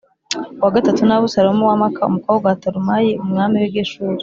uwa gatatu ni Abusalomu wa Māka umukobwa wa Talumayi umwami w’i Geshuri